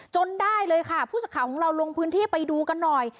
ได้เลยค่ะผู้สักข่าวของเราลงพื้นที่ไปดูกันหน่อย